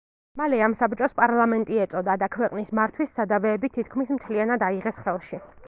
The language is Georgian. მალე ამ საბჭოს პარლამენტი ეწოდა და ქვეყნის მართვის სადავეები თითქმის მთლიანად აიღეს ხელში.